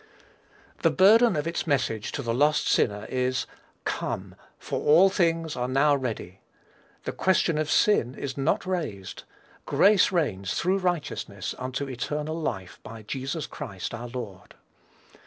The burden of its message to the lost sinner is, "Come, for all things are now ready;" the question of sin is not raised, "Grace reigns through righteousness unto eternal life by Jesus Christ our Lord."